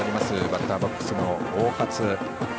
バッターボックスの大勝。